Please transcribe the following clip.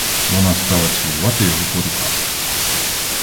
Вона стала цілувати його по руках.